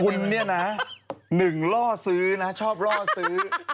คุณเนี่ยนะหนึ่งล่อซื้อนะชอบล่อซื้อ